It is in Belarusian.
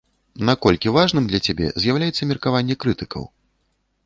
Наколькі важным для цябе з'яўляецца меркаванне крытыкаў?